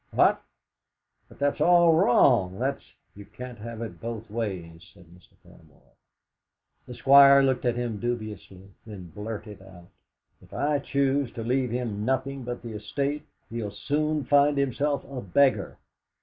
"What? But that's all wrong that's " "You can't have it both ways," said Mr. Paramor. The Squire looked at him dubiously, then blurted out: "If I choose to leave him nothing but the estate, he'll soon find himself a beggar.